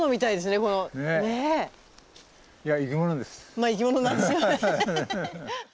まあ生き物なんですよね。